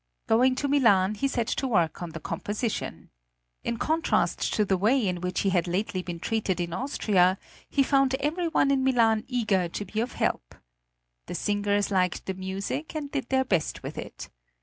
Going to Milan, he set to work on the composition. In contrast to the way in which he had lately been treated in Austria he found every one in Milan eager to be of help. The singers liked the music, and did their best with it.